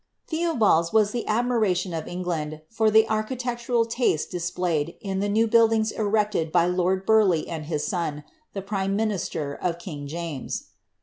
'* Theobalds was the admiration of England for the architectural taste displayed in the new buildings erected by lord Burleigh and his son, the prime minister of king James.